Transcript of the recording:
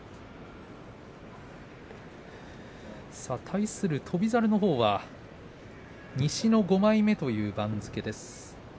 対する翔猿のほうは西の５枚目という番付です。